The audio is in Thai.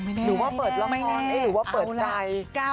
ไม่แน่ไม่แน่หรือว่าเปิดละครหรือว่าเปิดใจ